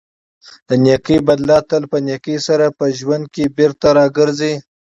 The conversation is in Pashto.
د نېکۍ بدله تل په نېکۍ سره په ژوند کې بېرته راګرځي.